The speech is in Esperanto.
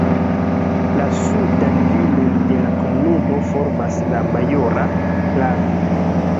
La sudan limon de la komunumo formas la Majora Lago.